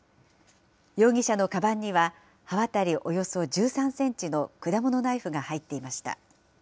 容疑者のかばんには、刃渡りおよそ１３センチの果物ナイフが入っていました。